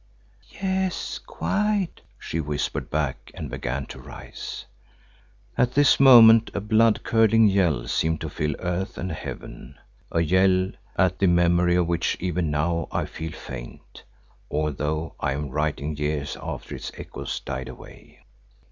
"Yes, quite," she whispered back and began to rise. At this moment a blood curdling yell seemed to fill earth and heaven, a yell at the memory of which even now I feel faint, although I am writing years after its echoes died away.